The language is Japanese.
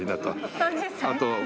あと。